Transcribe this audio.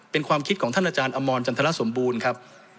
เป็นความคิดของท่านอาจารย์อมรจันทรสมบูรณ์ครับ